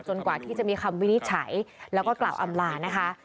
กว่าที่จะมีคำวินิจฉัยแล้วก็กล่าวอำลานะคะ